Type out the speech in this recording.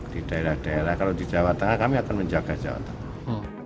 di daerah daerah kalau di jawa tengah kami akan menjaga jawa tengah